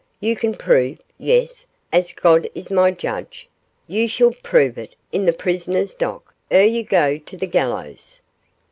You can prove yes, as God is my judge, you shall prove it, in the prisoner's dock, e'er you go to the gallows.